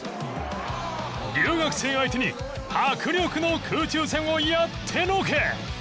留学生相手に迫力の空中戦をやってのけ。